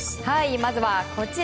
まずはこちら。